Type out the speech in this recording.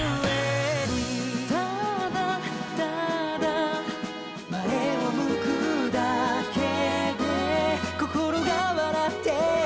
「ただ、ただ」「前を向くだけで心が笑ってる」